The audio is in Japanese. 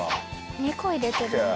２個入れてるんだ。